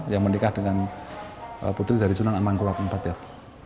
yang menikah dengan putri dari sunan amangkulak iv ya